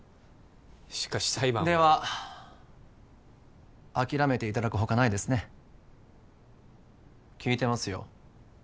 しかし裁判はでは諦めていただくほかないですね聞いてますよ